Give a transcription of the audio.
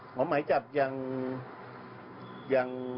หมอหมายจับยัง